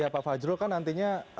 ya pak fajrul kan nantinya